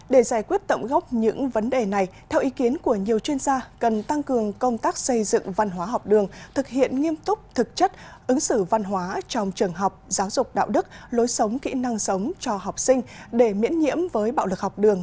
để giải quyết tận gốc những vấn đề này theo ý kiến của nhiều chuyên gia cần tăng cường công tác xây dựng văn hóa học đường thực hiện nghiêm túc thực chất ứng xử văn hóa trong trường học giáo dục đạo đức lối sống kỹ năng sống cho học sinh để miễn nhiễm với bạo lực học đường